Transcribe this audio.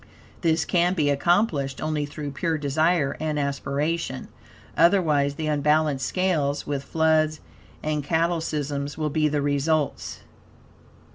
This can be accomplished only through pure desire and aspiration. Otherwise, the unbalanced scales, with floods and cataclysms, will be the results.